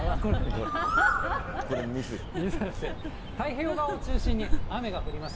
太平洋側を中心に雨が降ります。